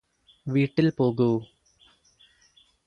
വീട്ടില് പോകൂ